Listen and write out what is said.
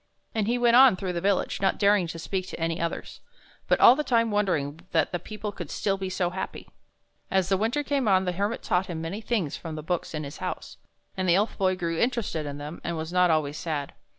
And he went on through the village, not daring to speak to any others, but all the time wondering that the people could still be so happy. As the winter came on, the Hermit taught him many things from the books in his house, and the Elf Boy grew interested in them and was not always sad.